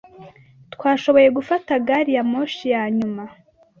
Twashoboye gufata gari ya moshi ya nyuma.